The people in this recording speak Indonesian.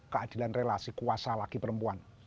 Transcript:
keadilan relasi kuasa laki perempuan